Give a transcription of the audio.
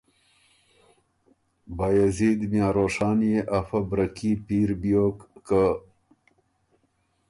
بایزید میاں روشان يې افۀ برکي پیر بیوک که